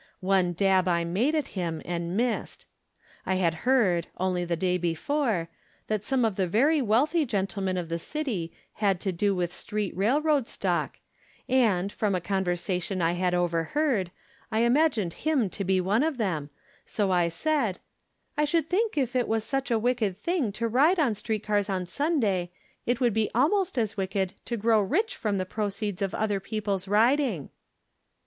One dab I made at him and missed. I had heard, only the day be fore, that some of the very wealthy, gentlemen of the city had to do with street railroad stock, and, from a conversation that I had overheard, I imagined him to be one of them ; so I said :" I should think if ifc was such a wicked thing to ride on street cars on Sunday, it would be al most as wicked to grow rich from the proceeds of other people's riding."